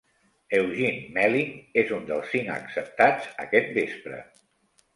Eugene Melynk és un dels cinc acceptats aquest vespre.